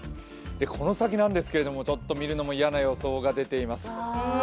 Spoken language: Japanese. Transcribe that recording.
この先なんですけれども、見るのも嫌な予想が出ています。